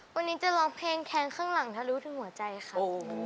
วันนี้จะร้องเพลงแทงข้างหลังทะลุถึงหัวใจค่ะ